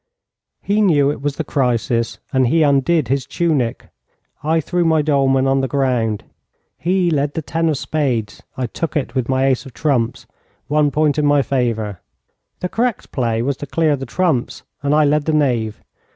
He knew it was the crisis, and he undid his tunic. I threw my dolman on the ground. He led the ten of spades. I took it with my ace of trumps. One point in my favour. The correct play was to clear the trumps, and I led the knave.